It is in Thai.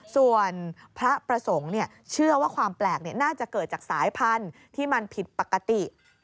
ส่วนพระประสงค์เชื่อว่าความแปลกน่าจะเกิดจากสายพันธุ์ที่มันผิดปกติ